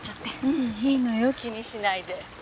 ううんいいのよ気にしないで。